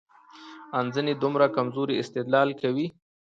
ان ځينې دومره کمزورى استدلال کوي،